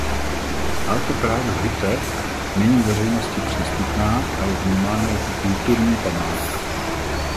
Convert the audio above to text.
Alte Prager Hütte není veřejnosti přístupná a je vnímána jako kulturní památka.